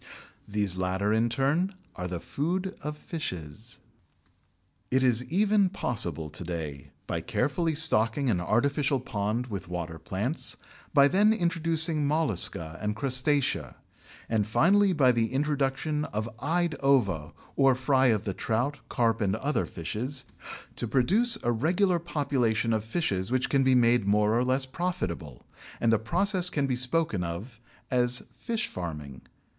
These latter in turn are the food of fishes. It is even possible to day by carefully stocking an artificial pond with water plants, by then introducing Mollusca and Crustacea, and finally by the introduction of "eyed ova" or fry of the trout, carp, or other fishes, to produce a regular population of fishes which can be made more or less profitable, and the process can be spoken of as "fish farming."